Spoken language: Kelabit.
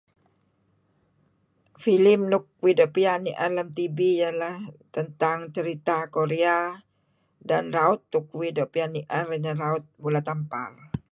Filim nuk uih doo' piyan ni'er lem tv ialah tentang cerita Korea dan raut peh uih doo' piyan ni'er dih raut bola tampar.